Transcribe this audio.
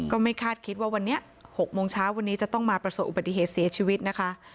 ก็ไม่คาดคิดว่าวันนี้๖โมงเช้าวันนี้จะต้องมาประสบอุบัติเหตุเสียชีวิตนะคะ